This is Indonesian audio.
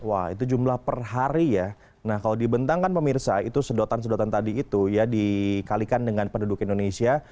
wah itu jumlah per hari ya nah kalau dibentangkan pemirsa itu sedotan sedotan tadi itu ya dikalikan dengan penduduk indonesia